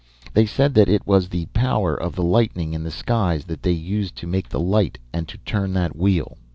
They said that it was the power of the lightning in the skies that they used to make the light and to turn that wheel!